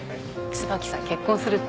椿さん結婚するってよ。